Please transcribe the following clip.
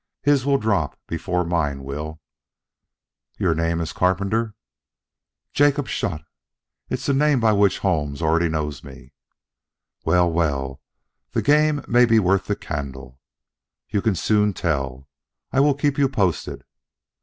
His will drop before mine will." "Your name as carpenter?" "Jacob Shott. It's the name by which Holmes already knows me." "Well, well, the game may be worth the candle. You can soon tell. I will keep you posted."